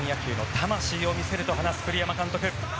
日本野球の魂を見せると話す栗山監督。